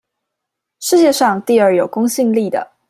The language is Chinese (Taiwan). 世界上第二有公信力的